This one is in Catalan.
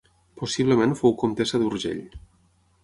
Possiblement fou comtessa d'Urgell.